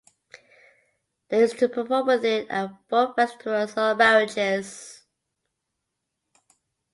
They used to perform with it at folk festivals or marriages.